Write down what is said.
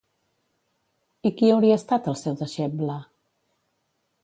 I qui hauria estat el seu deixeble?